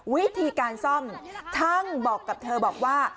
วิธีการซ่อมช่างบอกกับเธอบอกว่า